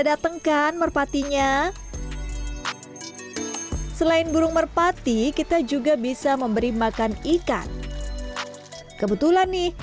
datangkan merpatinya selain burung merpati kita juga bisa memberi makan ikan kebetulan nih